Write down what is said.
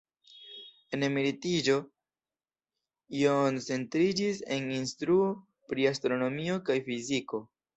En emeritiĝo, John centriĝis en instruo pri astronomio kaj fiziko.